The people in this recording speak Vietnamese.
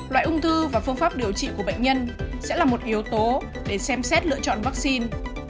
loại ung thư và phương pháp điều trị của bệnh nhân sẽ là một yếu tố để xem xét lựa chọn vaccine